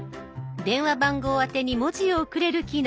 電話番号あてに文字を送れる機能。